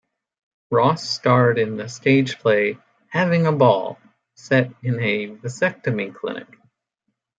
Ross starred in the stage play "Having a Ball" set in a vasectomy clinic.